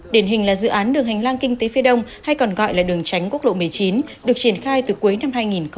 điển hình là dự án đường hành lang kinh tế phía đông hay còn gọi là đường tránh quốc lộ một mươi chín được triển khai từ cuối năm hai nghìn một mươi bảy